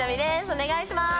お願いしまーす！